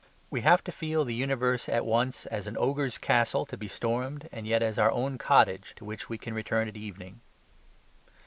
We have to feel the universe at once as an ogre's castle, to be stormed, and yet as our own cottage, to which we can return at evening.